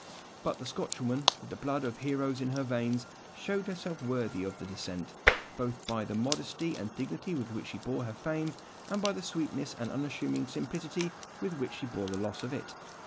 But the Scotch woman, with the blood of heroes in her veins, showed herself worthy of her descent, both by the modesty and dignity with which she bore her fame, and by the sweetness and unassuming simplicity with which she bore the loss of it.